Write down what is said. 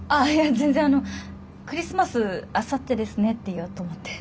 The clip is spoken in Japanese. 全然あのクリスマスあさってですねって言おうと思って。